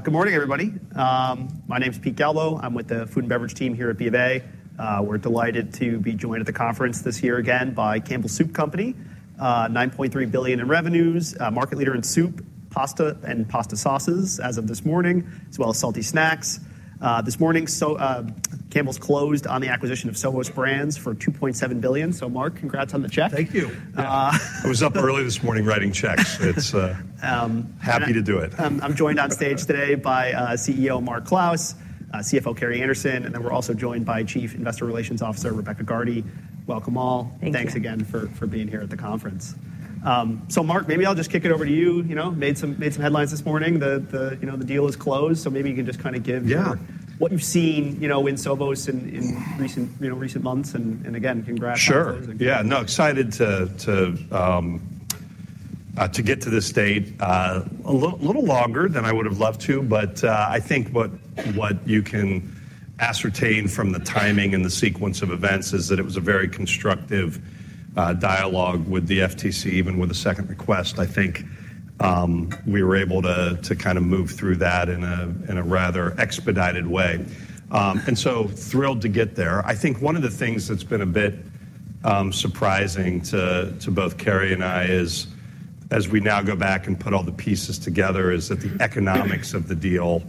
Good morning, everybody. My name's Peter Galbo. I'm with the food and beverage team here at B of A. We're delighted to be joined at the conference this year again by Campbell Soup Company, $9.3 billion in revenues, market leader in soup, pasta, and pasta sauces as of this morning, as well as salty snacks. This morning, so Campbell's closed on the acquisition of Sovos Brands for $2.7 billion. So, Mark, congrats on the check. Thank you. I was up early this morning writing checks. It's happy to do it. I'm joined on stage today by CEO Mark Clouse, CFO Carrie Anderson, and then we're also joined by Chief Investor Relations Officer Rebecca Gardy. Welcome all. Thank you. Thanks again for being here at the conference. So, Mark, maybe I'll just kick it over to you. You know, made some headlines this morning. The, the, you know, the deal is closed, so maybe you can just kind of give what you've seen, you know, in Sovos's in recent months. And again, congrats on the closing. Sure. Yeah. No, excited to get to this date, a little longer than I would have loved to. But I think what you can ascertain from the timing and the sequence of events is that it was a very constructive dialogue with the FTC, even with a second request. I think we were able to kind of move through that in a rather expedited way, and so thrilled to get there. I think one of the things that's been a bit surprising to both Carrie and I is, as we now go back and put all the pieces together, that the economics of the deal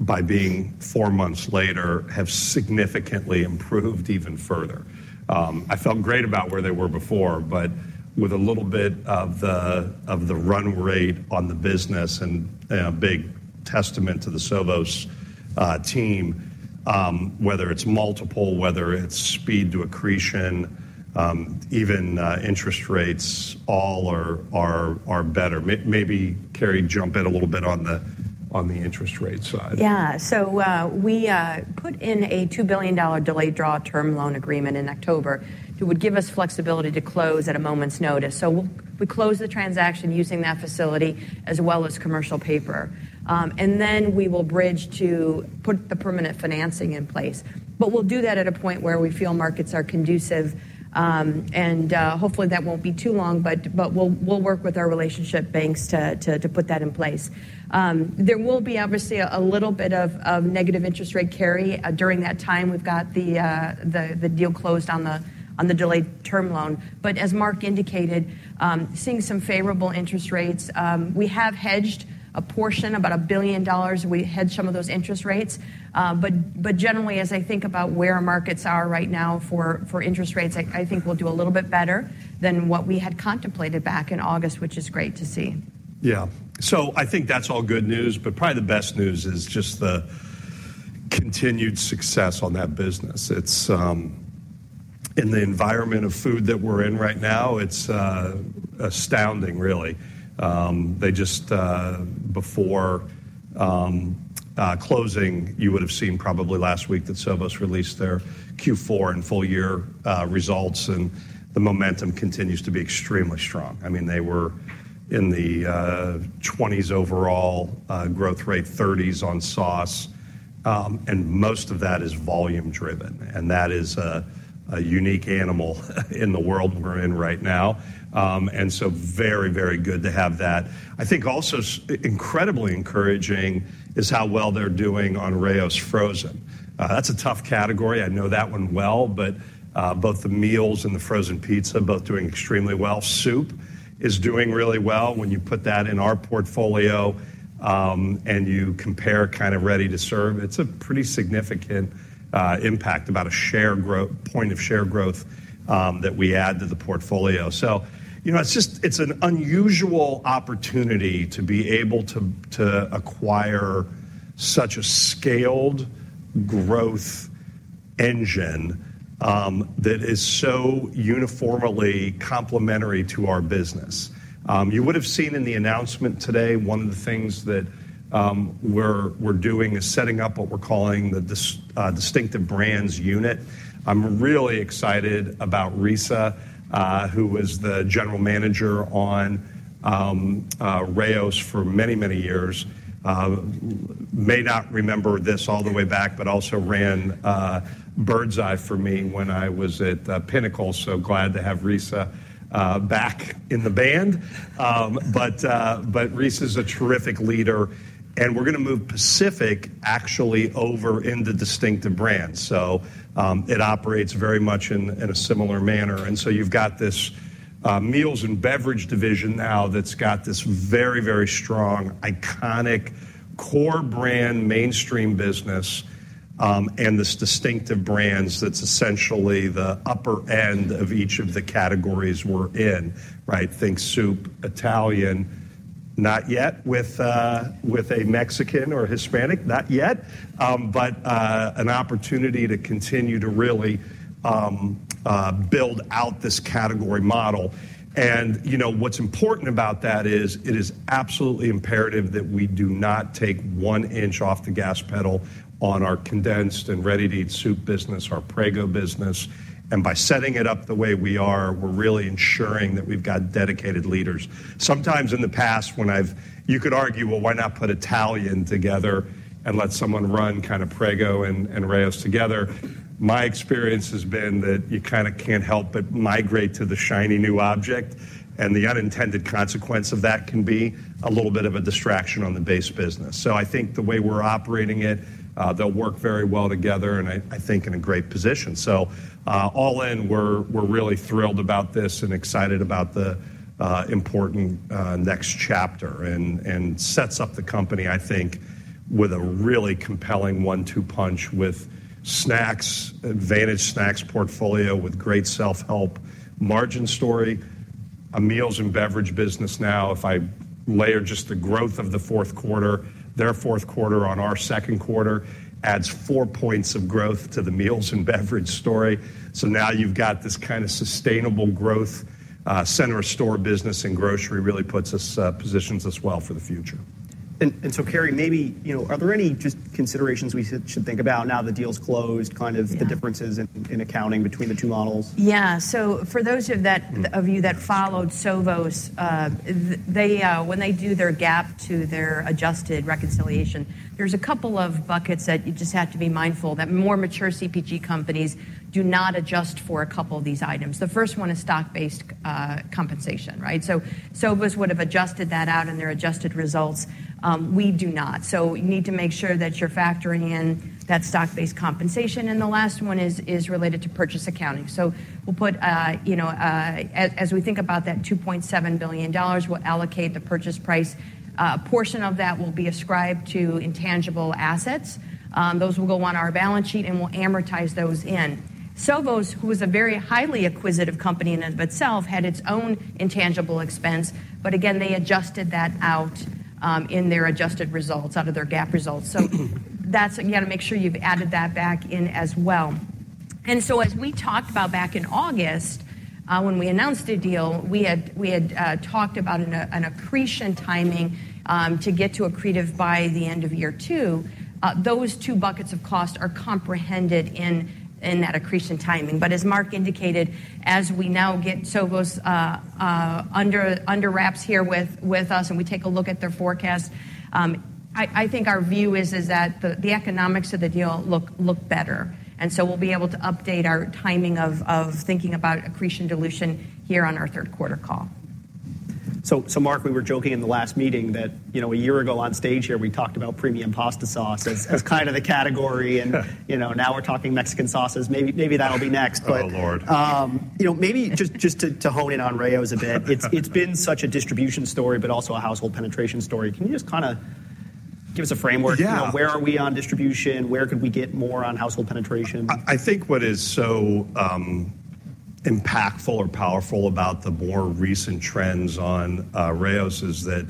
by being four months later have significantly improved even further. I felt great about where they were before, but with a little bit of the run rate on the business and a big testament to the Sovos's team, whether it's multiple, whether it's speed to accretion, even interest rates, all are better. Maybe Carrie jump in a little bit on the interest rate side. Yeah. So, we put in a $2 billion delayed draw term loan agreement in October that would give us flexibility to close at a moment's notice. So we'll close the transaction using that facility as well as commercial paper. Then we will bridge to put the permanent financing in place. But we'll do that at a point where we feel markets are conducive. Hopefully that won't be too long, but we'll work with our relationship banks to put that in place. There will be obviously a little bit of negative interest rate, Carrie, during that time. We've got the deal closed on the delayed term loan. But as Mark indicated, seeing some favorable interest rates, we have hedged a portion, about $1 billion. We hedged some of those interest rates. But generally, as I think about where markets are right now for interest rates, I think we'll do a little bit better than what we had contemplated back in August, which is great to see. Yeah. So I think that's all good news. But probably the best news is just the continued success on that business. It's, in the environment of food that we're in right now, it's astounding, really. They just, before closing, you would have seen probably last week that Sovos released their Q4 and full year results. And the momentum continues to be extremely strong. I mean, they were in the 20s overall growth rate, 30s on sauce. And most of that is volume-driven. And that is a unique animal in the world we're in right now. And so very, very good to have that. I think also incredibly encouraging is how well they're doing on Rao's Frozen. That's a tough category. I know that one well. But both the meals and the frozen pizza are both doing extremely well. Soup is doing really well. When you put that in our portfolio, and you compare kind of ready-to-serve, it's a pretty significant impact, about a share growth point of share growth that we add to the portfolio. So, you know, it's just it's an unusual opportunity to be able to to acquire such a scaled growth engine that is so uniformly complementary to our business. You would have seen in the announcement today one of the things that we're doing is setting up what we're calling the Distinctive Brands Unit. I'm really excited about Risa, who was the general manager on Rao's for many, many years. You may not remember this all the way back but also ran Birds Eye for me when I was at Pinnacle. So glad to have Risa back in the band. But, but Risa's a terrific leader. And we're going to move Pacific, actually, over into Distinctive Brands. So, it operates very much in a similar manner. And so you've got this meals and beverage division now that's got this very, very strong, iconic, core brand mainstream business, and this Distinctive Brands that's essentially the upper end of each of the categories we're in, right? Think soup, Italian. Not yet with a Mexican or Hispanic. Not yet, but an opportunity to continue to really build out this category model. And you know, what's important about that is, it is absolutely imperative that we do not take one inch off the gas pedal on our condensed and ready-to-eat soup business, our Prego business. And by setting it up the way we are, we're really ensuring that we've got dedicated leaders. Sometimes in the past, you could argue, well, why not put Italian together and let someone run kind of Prego and Rao's together? My experience has been that you kind of can't help but migrate to the shiny new object. And the unintended consequence of that can be a little bit of a distraction on the base business. So I think the way we're operating it, they'll work very well together. And I, I think in a great position. So, all in, we're, we're really thrilled about this and excited about the, important, next chapter and, and sets up the company, I think, with a really compelling one-two punch with snacks, vantage snacks portfolio with great self-help, margin story, a meals and beverage business now. If I layer just the growth of the fourth quarter, their fourth quarter on our second quarter adds 4 points of growth to the meals and beverage story. So now you've got this kind of sustainable growth, center store business. Grocery really puts us, positions us well for the future. And so, Carrie, maybe, you know, are there any just considerations we should think about now that the deal's closed, kind of the differences in accounting between the two models? Yeah. So for those of you that followed Sovos, they, when they do their GAAP to their adjusted reconciliation, there's a couple of buckets that you just have to be mindful that more mature CPG companies do not adjust for a couple of these items. The first one is stock-based compensation, right? So, Sovos would have adjusted that out in their adjusted results. We do not. So you need to make sure that you're factoring in that stock-based compensation. And the last one is related to purchase accounting. So we'll put, you know, as we think about that $2.7 billion, we'll allocate the purchase price. A portion of that will be ascribed to intangible assets. Those will go on our balance sheet, and we'll amortize those in. Sovos, who is a very highly acquisitive company in and of itself, had its own intangible expense. But again, they adjusted that out in their adjusted results, out of their GAAP results. So that's you got to make sure you've added that back in as well. As we talked about back in August, when we announced the deal, we had talked about an accretion timing to get to accretive by the end of year two. Those two buckets of cost are comprehended in that accretion timing. But as Mark indicated, as we now get Sovos under wraps here with us, and we take a look at their forecast, I think our view is that the economics of the deal look better. So we'll be able to update our timing of thinking about accretion dilution here on our third quarter call. So, Mark, we were joking in the last meeting that, you know, a year ago on stage here, we talked about premium pasta sauce as, as kind of the category. And, you know, now we're talking Mexican sauces. Maybe, maybe that'll be next. But, you know, maybe just to hone in on Rao's a bit. It's been such a distribution story but also a household penetration story. Can you just kind of give us a framework? You know, where are we on distribution? Where could we get more on household penetration? I think what is so impactful or powerful about the more recent trends on Rao's is that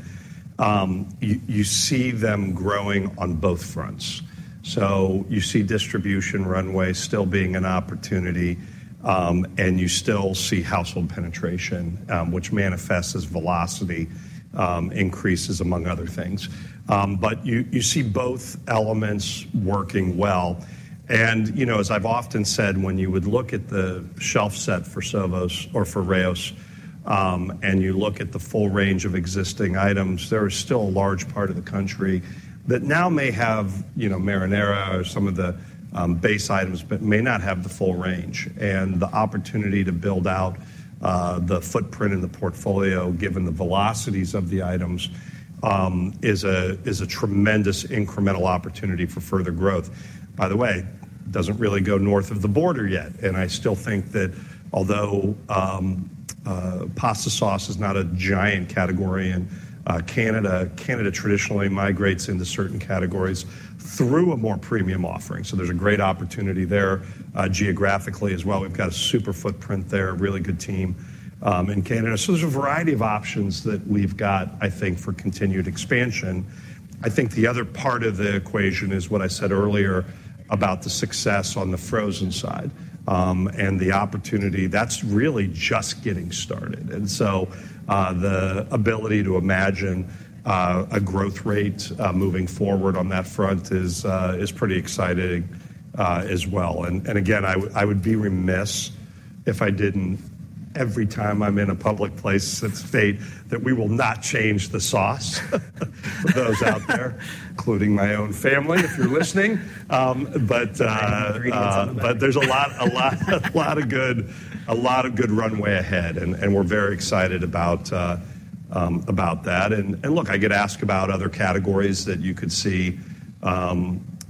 you see them growing on both fronts. So you see distribution runway still being an opportunity. And you still see household penetration, which manifests as velocity increases, among other things. But you see both elements working well. And, you know, as I've often said, when you would look at the shelf set for Sovos or for Rao's, and you look at the full range of existing items, there is still a large part of the country that now may have, you know, marinara or some of the base items but may not have the full range. And the opportunity to build out the footprint in the portfolio, given the velocities of the items, is a tremendous incremental opportunity for further growth. By the way, it doesn't really go north of the border yet. I still think that although pasta sauce is not a giant category and Canada traditionally migrates into certain categories through a more premium offering. So there's a great opportunity there, geographically as well. We've got a super footprint there, a really good team, in Canada. So there's a variety of options that we've got, I think, for continued expansion. I think the other part of the equation is what I said earlier about the success on the frozen side, and the opportunity. That's really just getting started. And so, the ability to imagine a growth rate moving forward on that front is pretty exciting, as well. And again, I would be remiss if I didn't, every time I'm in a public place, I state that we will not change the sauce for those out there, including my own family if you're listening. But there's a lot of good runway ahead. And we're very excited about that. And look, I get asked about other categories that you could see,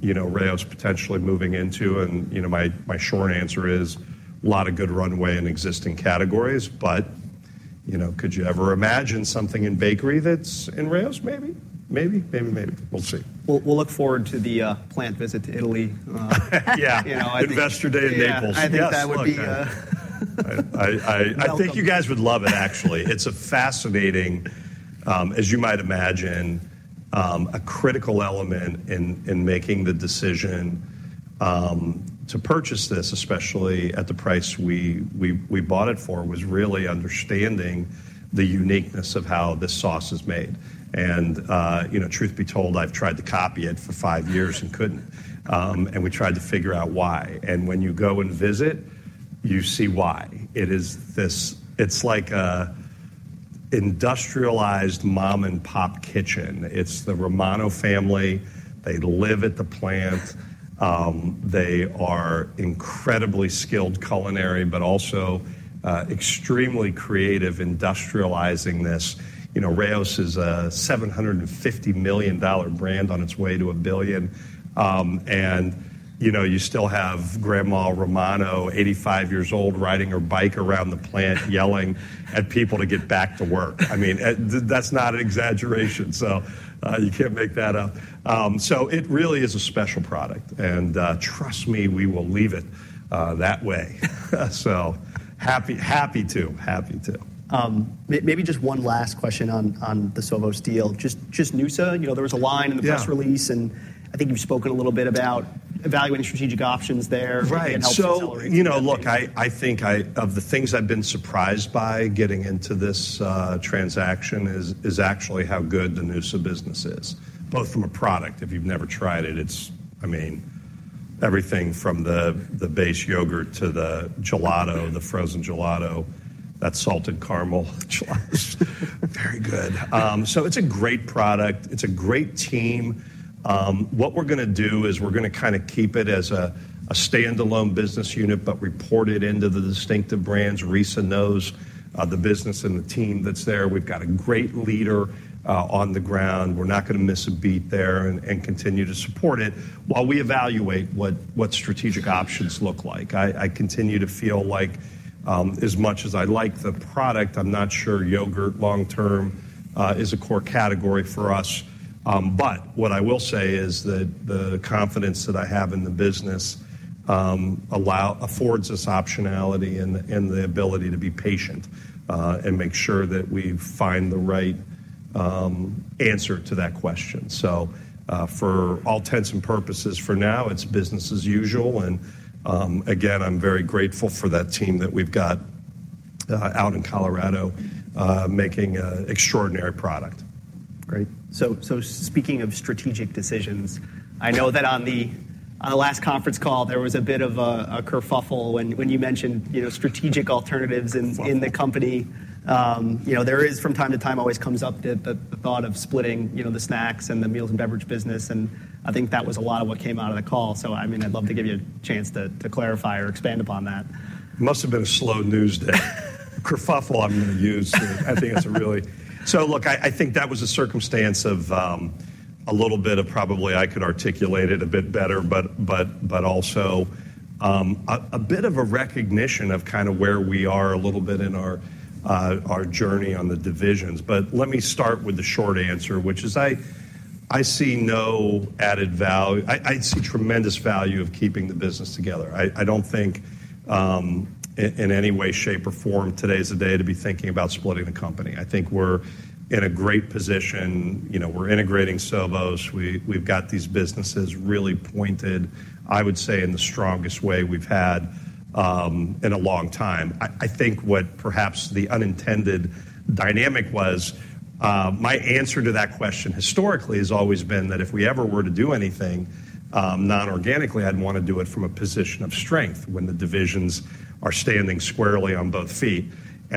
you know, Rao's potentially moving into. And, you know, my short answer is a lot of good runway in existing categories. But, you know, could you ever imagine something in bakery that's Rao's, maybe? Maybe. We'll see. We'll look forward to the plant visit to Italy, you know, I think. Yeah. Investor day in Naples. Yes. Yeah. I think that would be, I think you guys would love it, actually. It's a fascinating, as you might imagine, a critical element in making the decision to purchase this, especially at the price we bought it for, was really understanding the uniqueness of how this sauce is made. And, you know, truth be told, I've tried to copy it for five years and couldn't, and we tried to figure out why. And when you go and visit, you see why. It is this. It's like an industrialized mom-and-pop kitchen. It's the Romano family. They live at the plant. They are incredibly skilled culinary but also extremely creative industrializing this. You know, Rao's is a $750 million brand on its way to $1 billion. And, you know, you still have Grandma Romano, 85 years old, riding her bike around the plant, yelling at people to get back to work. I mean, that's not an exaggeration. So, you can't make that up. So it really is a special product. And, trust me, we will leave it that way. So happy, happy to. Happy to. Maybe just one last question on the Sovos's deal. Just Noosa. You know, there was a line in the press release. I think you've spoken a little bit about evaluating strategic options there. Right. So, you know, look, I think one of the things I've been surprised by getting into this transaction is actually how good the Noosa business is, both from a product. If you've never tried it, it's I mean, everything from the base yogurt to the gelato, the frozen gelato, that salted caramel gelato. Very good. So it's a great product. It's a great team. What we're going to do is we're going to kind of keep it as a standalone business unit but report it into the Distinctive Brands. Risa knows the business and the team that's there. We've got a great leader on the ground. We're not going to miss a beat there and continue to support it while we evaluate what strategic options look like. I continue to feel like, as much as I like the product, I'm not sure yogurt long term is a core category for us. But what I will say is that the confidence that I have in the business affords us optionality and the ability to be patient and make sure that we find the right answer to that question. So, for all intents and purposes, for now, it's business as usual. And, again, I'm very grateful for that team that we've got out in Colorado, making an extraordinary product. Great. So, speaking of strategic decisions, I know that on the last conference call, there was a bit of a kerfuffle when you mentioned, you know, strategic alternatives in the company. You know, there is from time to time, always comes up the thought of splitting, you know, the snacks and the meals and beverage business. And I think that was a lot of what came out of the call. So, I mean, I'd love to give you a chance to clarify or expand upon that. Must have been a slow news day. Kerfuffle, I'm going to use to. I think it's a really so look, I think that was a circumstance of a little bit of probably I could articulate it a bit better. But also, a bit of a recognition of kind of where we are a little bit in our journey on the divisions. But let me start with the short answer, which is I see no added value. I see tremendous value of keeping the business together. I don't think, in any way, shape, or form, today's the day to be thinking about splitting the company. I think we're in a great position. You know, we're integrating Sovos. We've got these businesses really pointed, I would say, in the strongest way we've had in a long time. I, I think what perhaps the unintended dynamic was, my answer to that question historically has always been that if we ever were to do anything, non-organically, I'd want to do it from a position of strength when the divisions are standing squarely on both feet.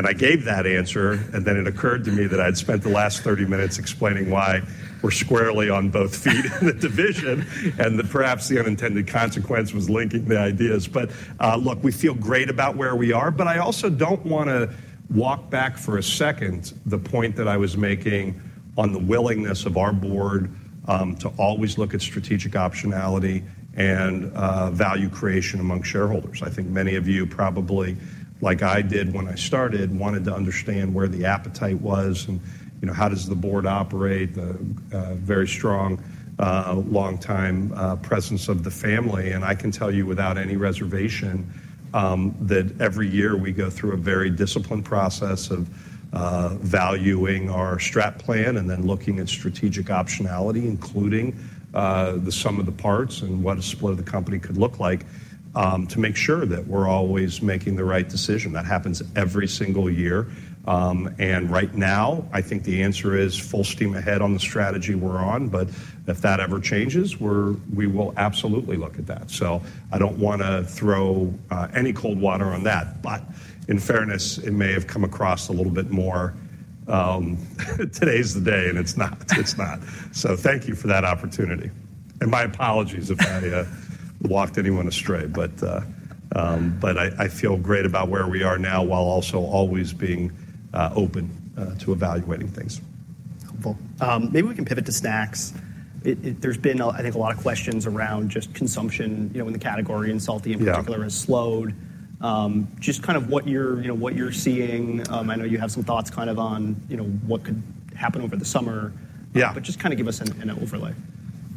I gave that answer. Then it occurred to me that I'd spent the last 30 minutes explaining why we're squarely on both feet in the division. And that perhaps the unintended consequence was linking the ideas. But, look, we feel great about where we are. I also don't want to walk back for a second the point that I was making on the willingness of our board to always look at strategic optionality and value creation among shareholders. I think many of you probably, like I did when I started, wanted to understand where the appetite was and, you know, how does the board operate, the very strong, long-time presence of the family. And I can tell you without any reservation, that every year, we go through a very disciplined process of valuing our strat plan and then looking at strategic optionality, including the sum of the parts and what a split of the company could look like, to make sure that we're always making the right decision. That happens every single year. And right now, I think the answer is full steam ahead on the strategy we're on. But if that ever changes, we will absolutely look at that. So I don't want to throw any cold water on that. But in fairness, it may have come across a little bit more, today's the day. It's not. It's not. Thank you for that opportunity. My apologies if I walked anyone astray. But I feel great about where we are now while also always being open to evaluating things. Helpful. Maybe we can pivot to snacks. There's been a, I think, a lot of questions around just consumption, you know, in the category and salty in particular has slowed. Just kind of what you're, you know, what you're seeing. I know you have some thoughts kind of on, you know, what could happen over the summer. But just kind of give us an overlay.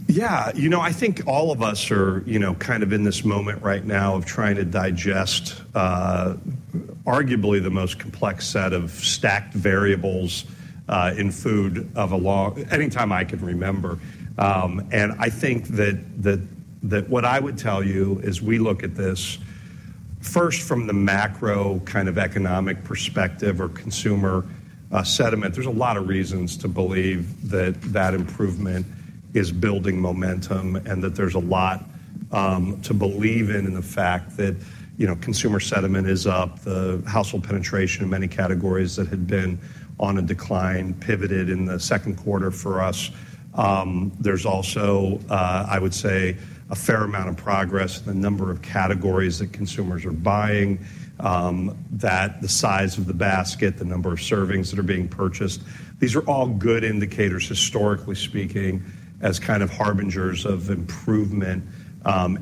Yeah. You know, I think all of us are, you know, kind of in this moment right now of trying to digest, arguably the most complex set of stacked variables in food for a long any time I can remember. I think that what I would tell you is we look at this first from the macro kind of economic perspective or consumer sentiment. There's a lot of reasons to believe that the improvement is building momentum and that there's a lot to believe in in the fact that, you know, consumer sentiment is up, the household penetration in many categories that had been on a decline pivoted in the second quarter for us. There's also, I would say, a fair amount of progress in the number of categories that consumers are buying, that the size of the basket, the number of servings that are being purchased. These are all good indicators, historically speaking, as kind of harbingers of improvement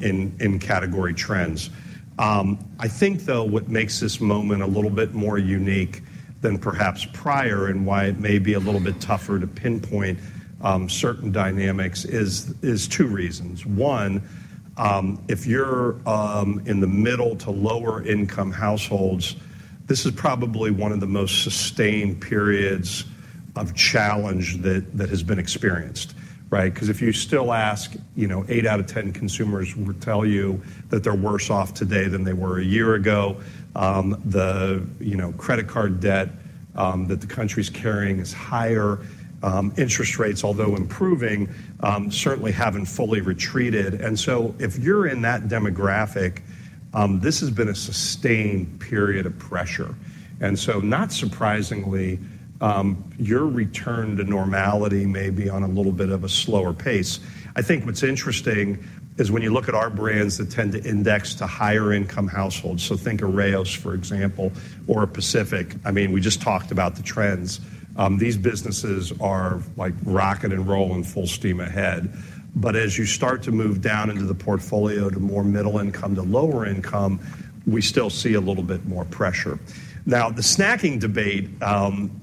in category trends. I think, though, what makes this moment a little bit more unique than perhaps prior and why it may be a little bit tougher to pinpoint certain dynamics is two reasons. One, if you're in the middle to lower-income households, this is probably one of the most sustained periods of challenge that has been experienced, right? Because if you still ask, you know, 8 out of 10 consumers would tell you that they're worse off today than they were a year ago. You know, the credit card debt that the country's carrying is higher. Interest rates, although improving, certainly haven't fully retreated. And so if you're in that demographic, this has been a sustained period of pressure. And so not surprisingly, your return to normality may be on a little bit of a slower pace. I think what's interesting is when you look at our brands that tend to index to higher-income households so think of Rao's, for example, or Pacific. I mean, we just talked about the trends. These businesses are, like, rocking and rolling full steam ahead. But as you start to move down into the portfolio, to more middle-income, to lower-income, we still see a little bit more pressure. Now, the snacking debate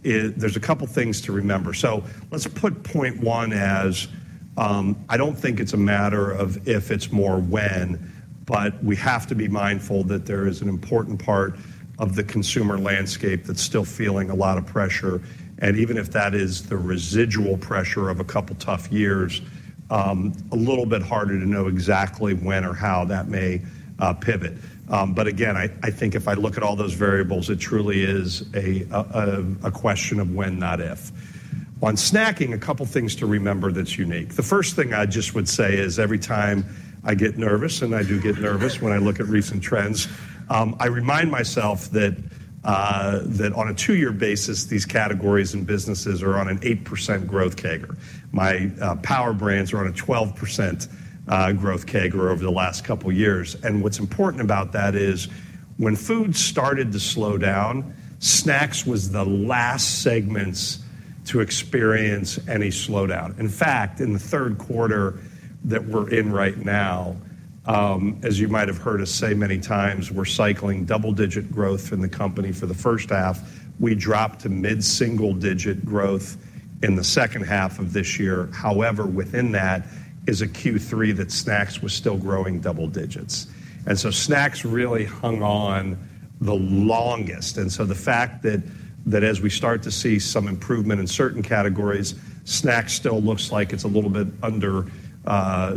is, there's a couple of things to remember. So let's put point one as, I don't think it's a matter of if it's more when. But we have to be mindful that there is an important part of the consumer landscape that's still feeling a lot of pressure. Even if that is the residual pressure of a couple of tough years, a little bit harder to know exactly when or how that may pivot. But again, I think if I look at all those variables, it truly is a question of when, not if. On snacking, a couple of things to remember that's unique. The first thing I just would say is every time I get nervous and I do get nervous when I look at recent trends, I remind myself that on a two-year basis, these categories and businesses are on an 8% growth CAGR. My power brands are on a 12% growth CAGR over the last couple of years. And what's important about that is when food started to slow down, snacks was the last segments to experience any slowdown. In fact, in the third quarter that we're in right now, as you might have heard us say many times, we're cycling double-digit growth in the company for the first half. We dropped to mid-single-digit growth in the second half of this year. However, within that is a Q3 that snacks was still growing double digits. And so snacks really hung on the longest. And so the fact that as we start to see some improvement in certain categories, snacks still looks like it's a little bit under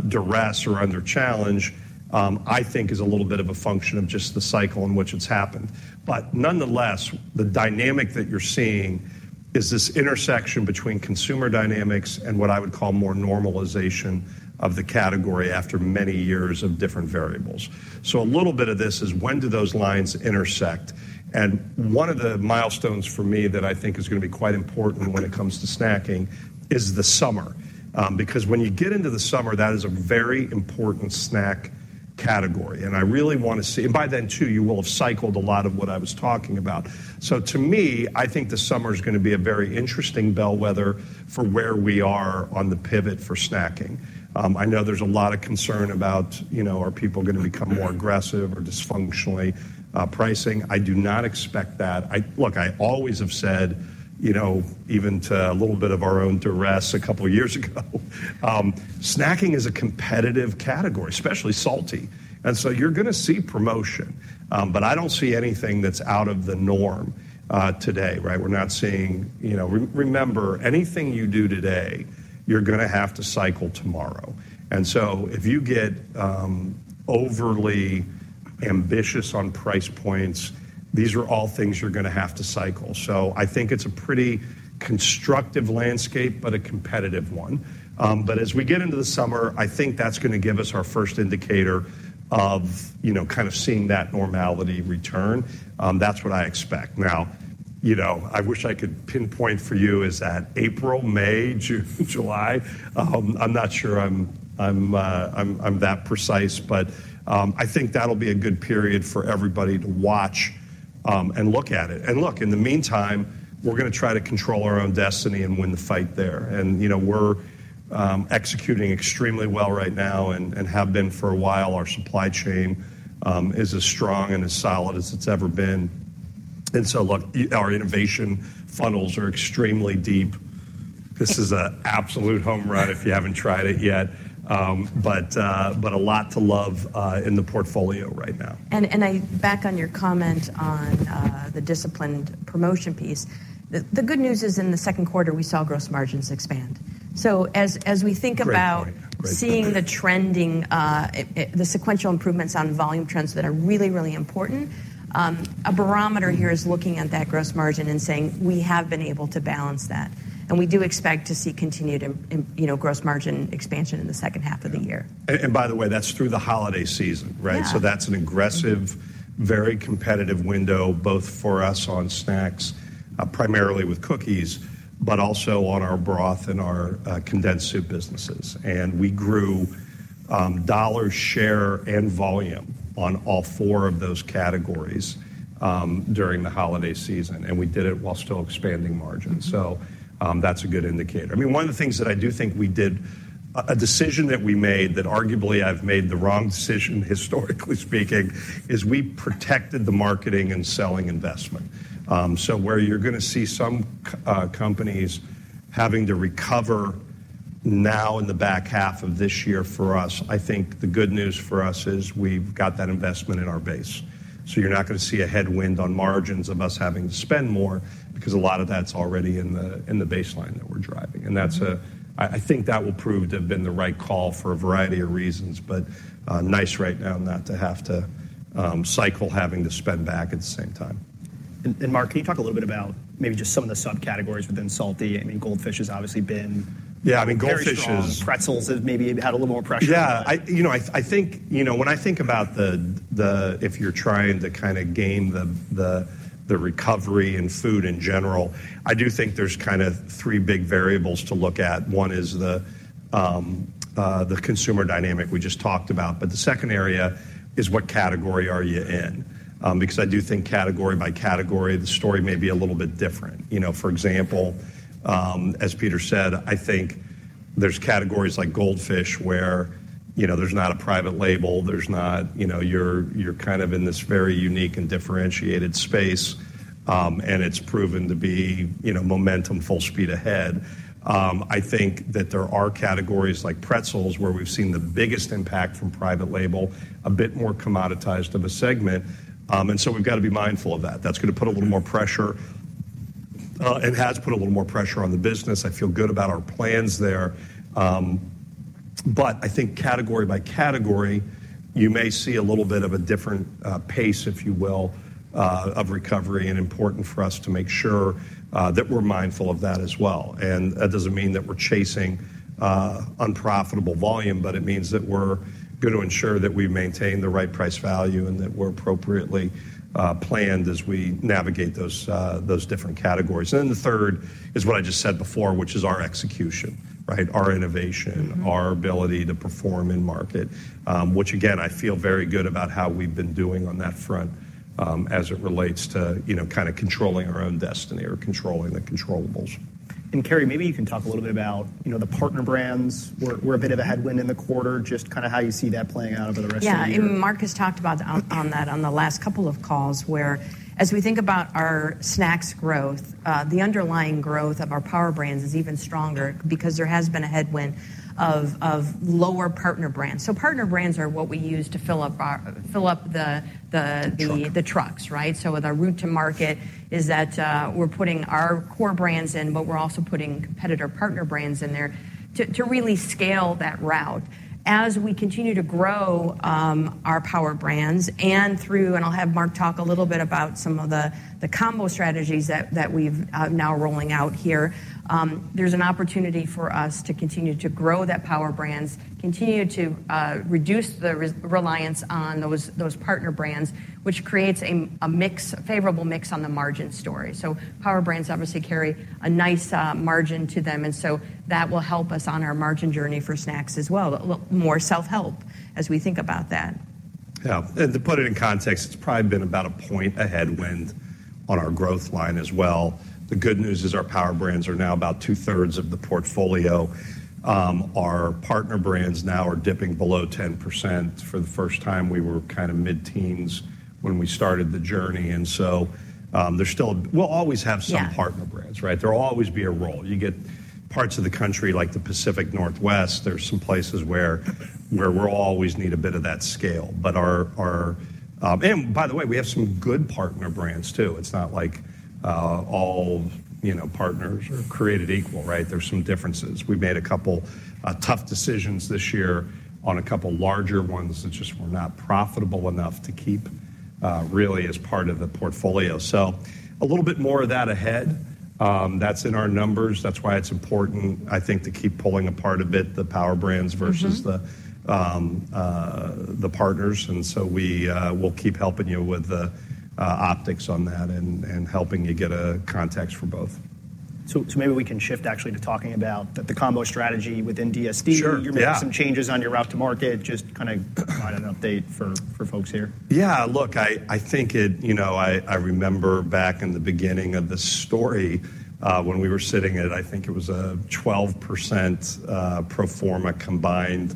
duress or under challenge, I think is a little bit of a function of just the cycle in which it's happened. But nonetheless, the dynamic that you're seeing is this intersection between consumer dynamics and what I would call more normalization of the category after many years of different variables. So a little bit of this is when do those lines intersect? And one of the milestones for me that I think is going to be quite important when it comes to snacking is the summer, because when you get into the summer, that is a very important snack category. And I really want to see and by then, too, you will have cycled a lot of what I was talking about. So to me, I think the summer is going to be a very interesting bellwether for where we are on the pivot for snacking. I know there's a lot of concern about, you know, are people going to become more aggressive or dysfunctionally pricing. I do not expect that. I look, I always have said, you know, even to a little bit of our own duress a couple of years ago, snacking is a competitive category, especially salty. You're going to see promotion. But I don't see anything that's out of the norm today, right? We're not seeing, you know, remember, anything you do today, you're going to have to cycle tomorrow. And so if you get overly ambitious on price points, these are all things you're going to have to cycle. So I think it's a pretty constructive landscape but a competitive one. But as we get into the summer, I think that's going to give us our first indicator of, you know, kind of seeing that normality return. That's what I expect. Now, you know, I wish I could pinpoint for you is that April, May, June, July. I'm not sure I'm that precise. But I think that'll be a good period for everybody to watch, and look at it. And look, in the meantime, we're going to try to control our own destiny and win the fight there. And, you know, we're executing extremely well right now and have been for a while. Our supply chain is as strong and as solid as it's ever been. And so look, our innovation funnels are extremely deep. This is an absolute home run if you haven't tried it yet. But a lot to love in the portfolio right now. And I back on your comment on the disciplined promotion piece. The good news is in the second quarter, we saw gross margins expand. So as we think about seeing the trending, the sequential improvements on volume trends that are really, really important, a barometer here is looking at that gross margin and saying, "We have been able to balance that." And we do expect to see continued improvement, you know, gross margin expansion in the second half of the year. And by the way, that's through the holiday season, right? So that's an aggressive, very competitive window both for us on snacks, primarily with cookies, but also on our broth and our condensed soup businesses. And we grew dollar share and volume on all four of those categories during the holiday season. And we did it while still expanding margins. So that's a good indicator. I mean, one of the things that I do think we did a decision that we made that arguably I've made the wrong decision, historically speaking, is we protected the marketing and selling investment. So where you're going to see some companies having to recover now in the back half of this year for us, I think the good news for us is we've got that investment in our base. So you're not going to see a headwind on margins of us having to spend more because a lot of that's already in the baseline that we're driving. And that's a, I think that will prove to have been the right call for a variety of reasons. But, nice right now not to have to cycle having to spend back at the same time. And, Mark, can you talk a little bit about maybe just some of the subcategories within salty? I mean, Goldfish has obviously been very strong. Yeah. I mean, Goldfish is. Pretzels has maybe had a little more pressure. Yeah. You know, I think, you know, when I think about if you're trying to kind of gain the recovery in food in general, I do think there's kind of three big variables to look at. One is the consumer dynamic we just talked about. But the second area is what category are you in? Because I do think category by category, the story may be a little bit different. You know, for example, as Peter said, I think there's categories like Goldfish where, you know, there's not a private label. There's not, you know, you're kind of in this very unique and differentiated space. And it's proven to be, you know, momentum, full speed ahead. I think that there are categories like pretzels where we've seen the biggest impact from private label, a bit more commoditized of a segment. And so we've got to be mindful of that. That's going to put a little more pressure, and has put a little more pressure on the business. I feel good about our plans there. But I think category by category, you may see a little bit of a different pace, if you will, of recovery. And important for us to make sure that we're mindful of that as well. And that doesn't mean that we're chasing unprofitable volume. But it means that we're going to ensure that we maintain the right price value and that we're appropriately planned as we navigate those different categories. And then the third is what I just said before, which is our execution, right? Our innovation, our ability to perform in market, which, again, I feel very good about how we've been doing on that front, as it relates to, you know, kind of controlling our own destiny or controlling the controllables. Carrie, maybe you can talk a little bit about, you know, the partner brands. We're a bit of a headwind in the quarter. Just kind of how you see that playing out over the rest of the year. Yeah. And Mark has talked about on the last couple of calls as we think about our snacks growth, the underlying growth of our power brands is even stronger because there has been a headwind of lower partner brands. So partner brands are what we use to fill up our trucks, right? So with our route to market is that, we're putting our core brands in. But we're also putting competitor partner brands in there to really scale that route. As we continue to grow, our power brands and through and I'll have Mark talk a little bit about some of the combo strategies that we've now rolling out here. There's an opportunity for us to continue to grow that power brands, continue to reduce the reliance on those partner brands, which creates a favorable mix on the margin story. So power brands, obviously, carry a nice margin to them. And so that will help us on our margin journey for snacks as well, a little more self-help as we think about that. Yeah. To put it in context, it's probably been about a point a headwind on our growth line as well. The good news is our power brands are now about two-thirds of the portfolio. Our partner brands now are dipping below 10% for the first time. We were kind of mid-teens when we started the journey. And so, there's still, we'll always have some partner brands, right? There'll always be a role. You get parts of the country like the Pacific Northwest. There's some places where we'll always need a bit of that scale. But, and by the way, we have some good partner brands, too. It's not like, all, you know, partners are created equal, right? There's some differences. We've made a couple tough decisions this year on a couple larger ones that just were not profitable enough to keep, really as part of the portfolio. So a little bit more of that ahead. That's in our numbers. That's why it's important, I think, to keep pulling apart a bit the power brands versus the, the partners. And so we, we'll keep helping you with the, optics on that and, and helping you get a context for both. So, maybe we can shift, actually, to talking about the combo strategy within DSD. Sure. You're making some changes on your route to market. Just kind of provide an update for folks here. Yeah. Look, I, I think it, you know, I, I remember back in the beginning of the story, when we were sitting at, I think it was a 12%, pro forma combined,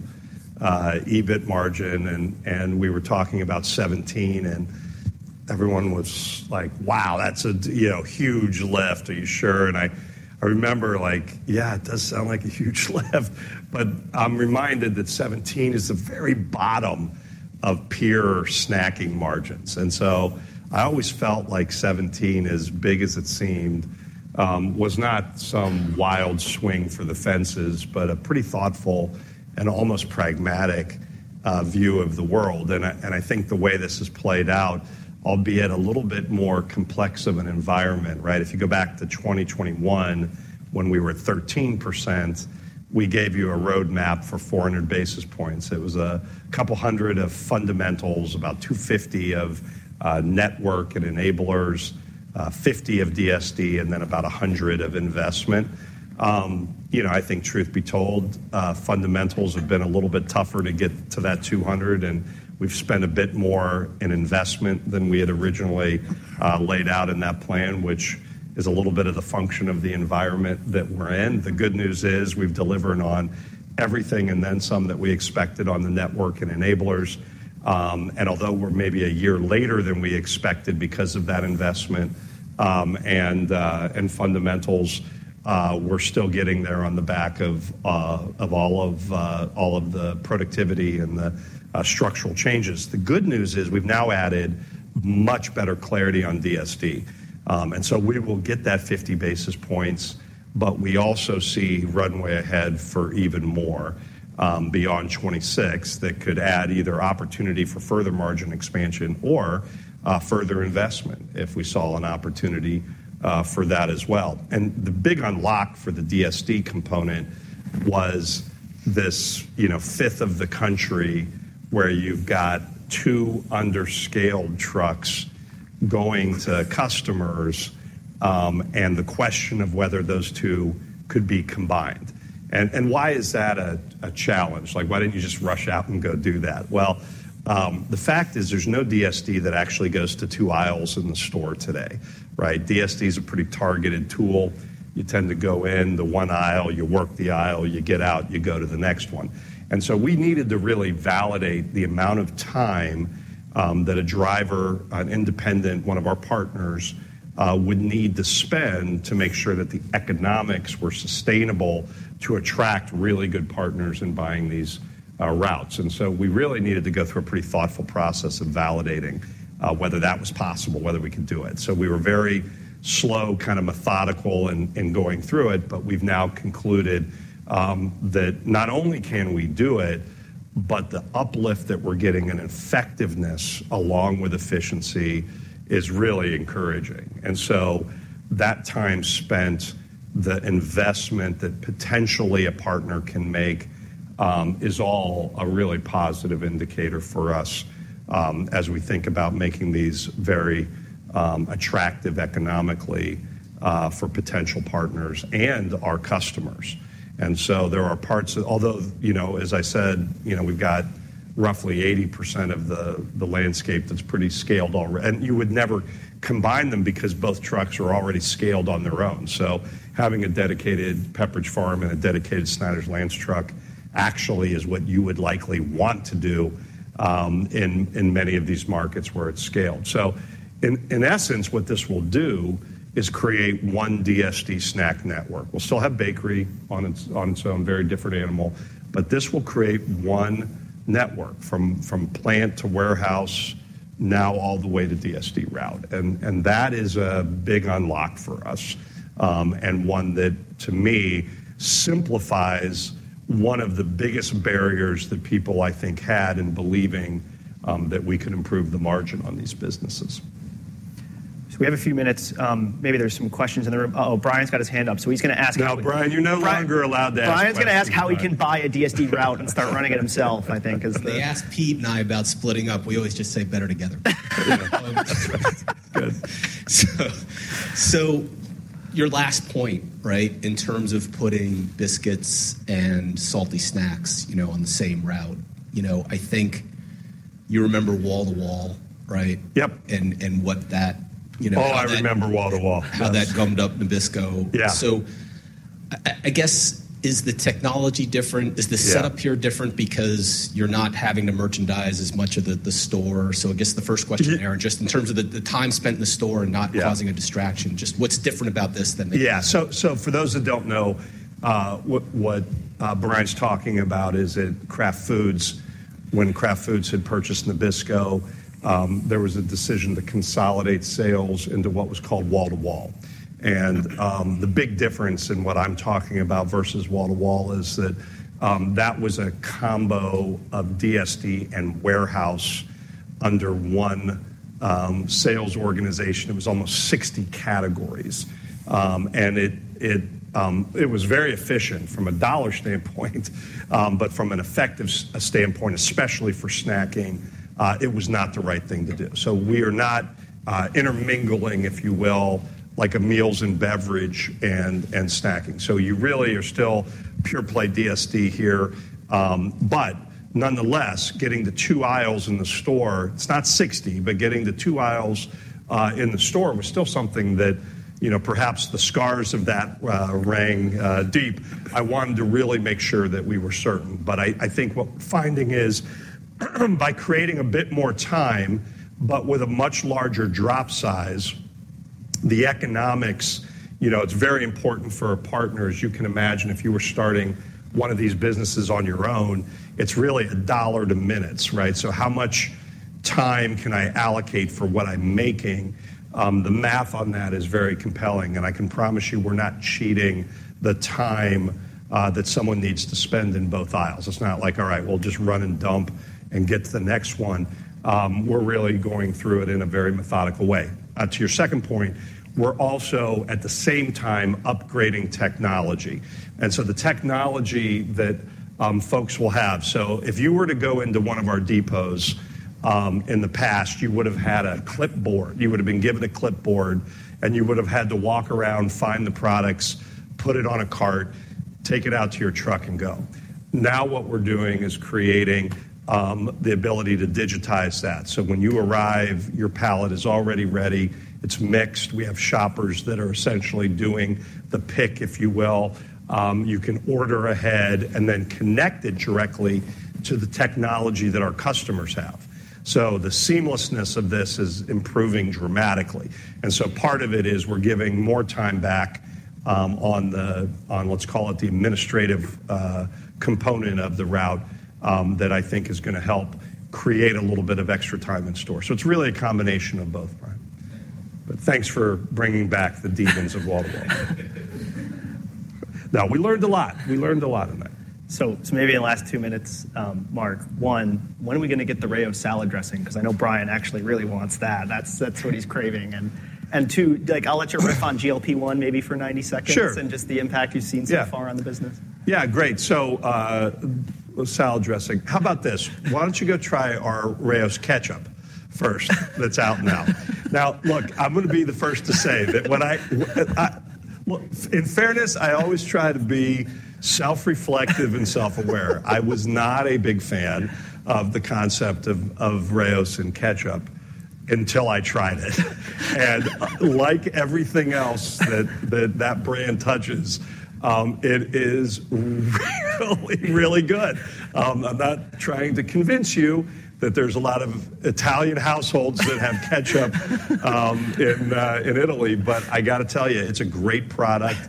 EBIT margin. And, and we were talking about 17%. And everyone was like, "Wow, that's a, you know, huge lift. Are you sure?" And I, I remember like, "Yeah, it does sound like a huge lift." But I'm reminded that 17% is the very bottom of pure snacking margins. And so I always felt like 17%, as big as it seemed, was not some wild swing for the fences but a pretty thoughtful and almost pragmatic view of the world. And I, and I think the way this has played out, albeit a little bit more complex of an environment, right? If you go back to 2021 when we were at 13%, we gave you a roadmap for 400 basis points. It was 200 of fundamentals, about 250 of network and enablers, 50 of DSD, and then about 100 of investment. You know, I think, truth be told, fundamentals have been a little bit tougher to get to that 200. And we've spent a bit more in investment than we had originally laid out in that plan, which is a little bit of the function of the environment that we're in. The good news is we've delivered on everything and then some that we expected on the network and enablers. And although we're maybe a year later than we expected because of that investment, and fundamentals, we're still getting there on the back of all of the productivity and the structural changes. The good news is we've now added much better clarity on DSD. So we will get that 50 basis points. But we also see runway ahead for even more, beyond 26 that could add either opportunity for further margin expansion or, further investment if we saw an opportunity, for that as well. And the big unlock for the DSD component was this, you know, fifth of the country where you've got two underscaled trucks going to customers, and the question of whether those two could be combined. And why is that a challenge? Like, why didn't you just rush out and go do that? Well, the fact is there's no DSD that actually goes to two aisles in the store today, right? DSD is a pretty targeted tool. You tend to go in the one aisle, you work the aisle, you get out, you go to the next one. And so we needed to really validate the amount of time that a driver, an independent, one of our partners, would need to spend to make sure that the economics were sustainable to attract really good partners in buying these routes. And so we really needed to go through a pretty thoughtful process of validating whether that was possible, whether we could do it. So we were very slow, kind of methodical in going through it. But we've now concluded that not only can we do it, but the uplift that we're getting and effectiveness along with efficiency is really encouraging. And so that time spent, the investment that potentially a partner can make, is all a really positive indicator for us, as we think about making these very attractive economically, for potential partners and our customers. And so there are parts that although, you know, as I said, you know, we've got roughly 80% of the landscape that's pretty scaled already and you would never combine them because both trucks are already scaled on their own. So having a dedicated Pepperidge Farm and a dedicated Snyder's-Lance truck actually is what you would likely want to do, in many of these markets where it's scaled. So in essence, what this will do is create one DSD snack network. We'll still have bakery on its own, very different animal. But this will create one network from plant to warehouse, now all the way to DSD route. And that is a big unlock for us, and one that, to me, simplifies one of the biggest barriers that people, I think, had in believing that we could improve the margin on these businesses. So we have a few minutes. Maybe there's some questions in the room. Uh-oh, Brian's got his hand up. So he's going to ask how we can buy a. No, Brian, you're no longer allowed to ask Brian. Brian's going to ask how he can buy a DSD route and start running it himself, I think, because the. If they ask Peter and I about splitting up, we always just say, better together. So, so your last point, right, in terms of putting biscuits and salty snacks, you know, on the same route, you know, I think you remember Wall to Wall, right? Yep. And what that, you know. Oh, I remember Wall to Wall. How that gummed up Nabisco. Yeah. So I guess, is the technology different? Is the setup here different because you're not having to merchandise as much of the store? So I guess the first question, Aaron, just in terms of the time spent in the store and not causing a distraction, just what's different about this than the. Yeah. So for those that don't know, what Brian's talking about is at Kraft Foods, when Kraft Foods had purchased Nabisco, there was a decision to consolidate sales into what was called Wall to Wall. The big difference in what I'm talking about versus Wall to Wall is that that was a combo of DSD and warehouse under one sales organization. It was almost 60 categories. And it was very efficient from a dollar standpoint, but from an effectiveness standpoint, especially for snacking, it was not the right thing to do. So we are not intermingling, if you will, like meals and beverage and snacking. So you really are still pure-play DSD here. But nonetheless, getting the two aisles in the store it's not 60, but getting the two aisles in the store was still something that, you know, perhaps the scars of that rang deep. I wanted to really make sure that we were certain. But I think what finding is by creating a bit more time but with a much larger drop size, the economics, you know, it's very important for partners. You can imagine if you were starting one of these businesses on your own, it's really a dollar to minutes, right? So how much time can I allocate for what I'm making? The math on that is very compelling. And I can promise you, we're not cheating the time that someone needs to spend in both aisles. It's not like, "All right. We'll just run and dump and get to the next one." We're really going through it in a very methodical way. To your second point, we're also, at the same time, upgrading technology. And so the technology that folks will have so if you were to go into one of our depots, in the past, you would have had a clipboard. You would have been given a clipboard. And you would have had to walk around, find the products, put it on a cart, take it out to your truck, and go. Now what we're doing is creating the ability to digitize that. So when you arrive, your pallet is already ready. It's mixed. We have shoppers that are essentially doing the pick, if you will. You can order ahead and then connect it directly to the technology that our customers have. So the seamlessness of this is improving dramatically. So part of it is we're giving more time back, on the, let's call it, the administrative component of the route, that I think is going to help create a little bit of extra time in store. So it's really a combination of both, Brian. But thanks for bringing back the demons of Wall to Wall. Now, we learned a lot. We learned a lot tonight. So maybe in the last 2 minutes, Mark, one, when are we going to get the Rao's salad dressing? Because I know Brian actually really wants that. That's what he's craving. And two, like, I'll let you riff on GLP-1 maybe for 90 seconds. Sure. Just the impact you've seen so far on the business. Yeah. Yeah. Great. So, salad dressing, how about this? Why don't you go try our Rao's ketchup first that's out now? Now, look, I'm going to be the first to say that when I well, in fairness, I always try to be self-reflective and self-aware. I was not a big fan of the concept of, of Rao's and ketchup until I tried it. And like everything else that, that that brand touches, it is really, really good. I'm not trying to convince you that there's a lot of Italian households that have ketchup, in, in Italy. But I got to tell you, it's a great product.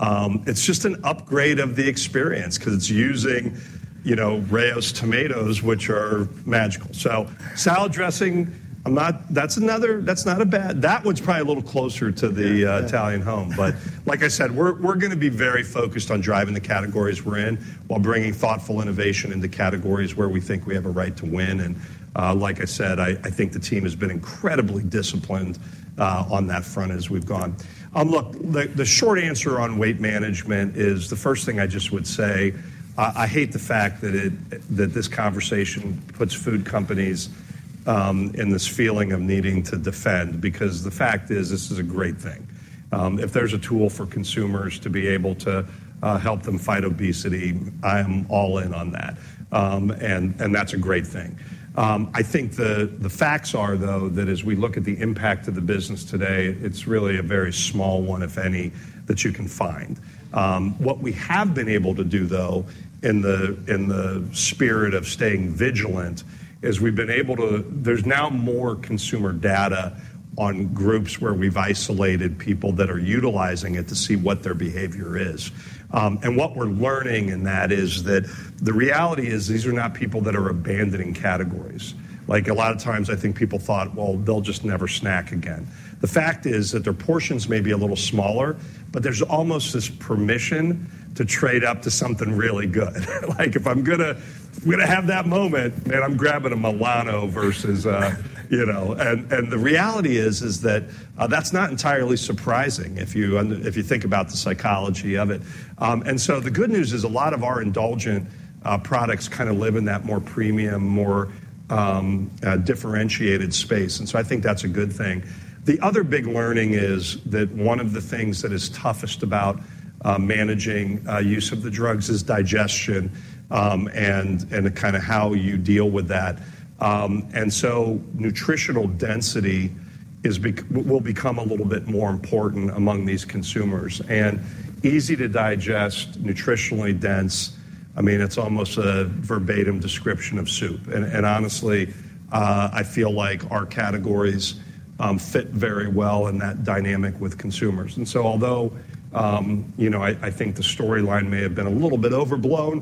It's just an upgrade of the experience because it's using, you know, Rao's tomatoes, which are magical. So salad dressing, I'm not that's another that's not a bad that one's probably a little closer to the, Italian home. But like I said, we're going to be very focused on driving the categories we're in while bringing thoughtful innovation into categories where we think we have a right to win. And, like I said, I think the team has been incredibly disciplined on that front as we've gone. Look, the short answer on weight management is the first thing I just would say, I hate the fact that this conversation puts food companies in this feeling of needing to defend. Because the fact is, this is a great thing. If there's a tool for consumers to be able to help them fight obesity, I am all in on that. And that's a great thing. I think the, the facts are, though, that as we look at the impact of the business today, it's really a very small one, if any, that you can find. What we have been able to do, though, in the spirit of staying vigilant is we've been able to. There's now more consumer data on groups where we've isolated people that are utilizing it to see what their behavior is. And what we're learning in that is that the reality is these are not people that are abandoning categories. Like, a lot of times, I think people thought, "Well, they'll just never snack again." The fact is that their portions may be a little smaller, but there's almost this permission to trade up to something really good. Like, if I'm going to have that moment, man, I'm grabbing a Milano versus, you know, and the reality is that that's not entirely surprising if you think about the psychology of it. And so the good news is a lot of our indulgent products kind of live in that more premium, more differentiated space. And so I think that's a good thing. The other big learning is that one of the things that is toughest about managing use of the drugs is digestion, and kind of how you deal with that. And so nutritional density will become a little bit more important among these consumers. And easy to digest, nutritionally dense, I mean, it's almost a verbatim description of soup. And honestly, I feel like our categories fit very well in that dynamic with consumers. And so although, you know, I think the storyline may have been a little bit overblown,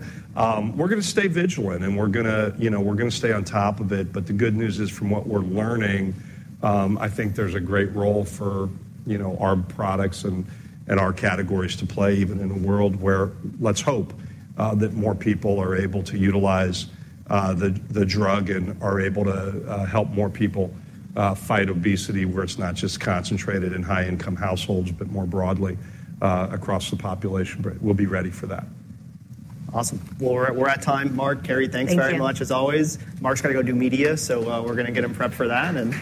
we're going to stay vigilant. And we're going to you know, we're going to stay on top of it. But the good news is, from what we're learning, I think there's a great role for, you know, our products and our categories to play, even in a world where let's hope, that more people are able to utilize, the drug and are able to help more people fight obesity where it's not just concentrated in high-income households but more broadly across the population. But we'll be ready for that. Awesome. Well, we're at time, Mark. Carrie, thanks very much, as always. Thank you. Mark's got to go do media. So, we're going to get him prepped for that. And.